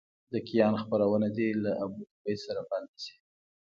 د کیان خپرونه دې له ابوزید سره بنده شي.